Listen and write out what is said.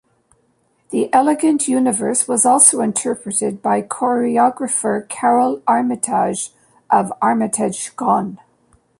"The Elegant Universe" was also interpreted by choreographer Karole Armitage, of Armitage Gone!